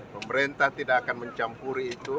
pemerintah tidak akan mencampuri itu